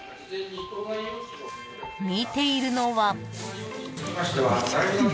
［見ているのは］